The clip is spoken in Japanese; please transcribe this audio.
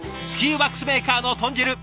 スキーワックスメーカーの豚汁